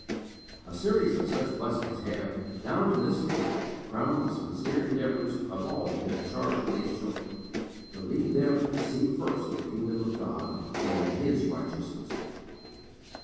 A series of such blessings have, down to this date, crowned the sincere endeavours of all who have charge of these children, to lead them to seek first the kingdom of God and His righteousness.